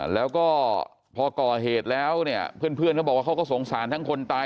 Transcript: แล้วก็พอก่อเหตุแล้วเนี่ยเพื่อนเขาบอกว่าเขาก็สงสารทั้งคนตาย